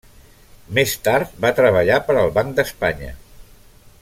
Més tard va treballar per al Banc d'Espanya.